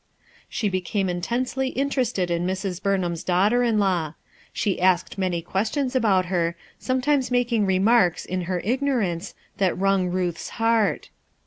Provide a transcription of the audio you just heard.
She became intensely interested in Mrs, Rurnham's daughter in law. She asked many questions about her, some times making remarks, in her ignorance, that wrung Ruth's heart.